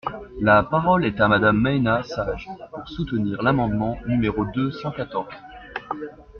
La parole est à Madame Maina Sage, pour soutenir l’amendement numéro deux cent quatorze.